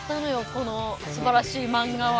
このすばらしいマンガは。